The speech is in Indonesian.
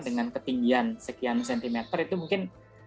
dengan ketinggian sekian sentimeter itu mungkin